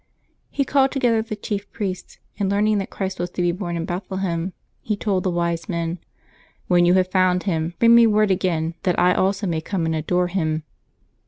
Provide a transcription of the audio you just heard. He called together the chief priests, and learning that Christ was to be born in Bethlehem, he told the Wise Men :*^ When you have found Him, bring me word again, that I also may come and adore Him.''